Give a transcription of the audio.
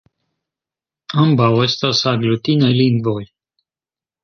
Ambaŭ estas aglutinaj lingvoj.